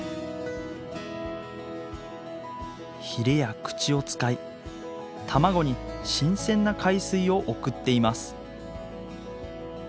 ヒレや口を使い卵に新鮮な海水を送っています。